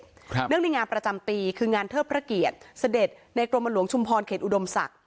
เนื่องในงานประจำปีคืองานเทิดพระเกียรติเสด็จในกรมหลวงชุมพรเขตอุดมศักดิ